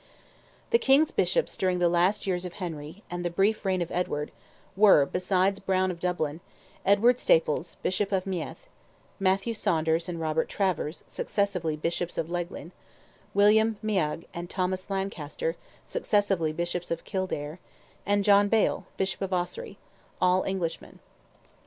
The King's Bishops during the last years of Henry, and the brief reign of Edward, were, besides Browne of Dublin, Edward Staples, Bishop of Meath, Matthew Saunders and Robert Travers, successively Bishops of Leighlin, William Miagh and Thomas Lancaster, successively Bishops of Kildare, and John Bale, Bishop of Ossory—all Englishmen.